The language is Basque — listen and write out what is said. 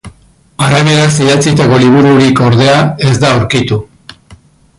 Arabieraz idatzitako libururik, ordea, ez da aurkitu.